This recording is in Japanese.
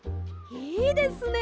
いいですね。